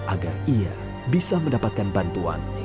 agar ia bisa mendapatkan bantuan